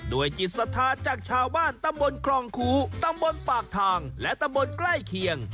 จิตศรัทธาจากชาวบ้านตำบลครองครูตำบลปากทางและตำบลใกล้เคียง